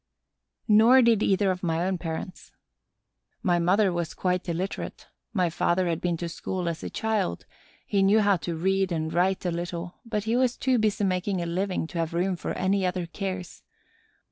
Nor did either of my own parents. My mother was quite illiterate; my father had been to school as a child, he knew how to read and write a little, but he was too busy making a living to have room for any other cares.